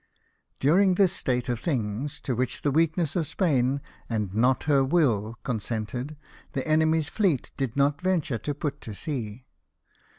During this state of things, to which the weakness of Spain, and not her will, consented, the enemy's fleet did not venture to put to sea.